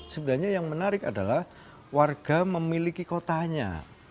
sebenarnya yang menarik adalah warga memiliki kotanya